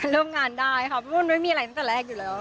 ร่วมงานได้เพราะมันว่ามันไม่มีอะไรตั้งแต่แรกอยู่แล้ว